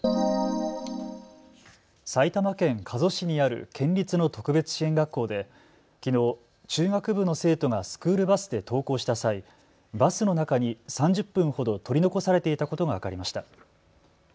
埼玉県加須市にある県立の特別支援学校できのう中学部の生徒がスクールバスで登校した際、バスの中に３０分ほど取り残されていたことが分かりました。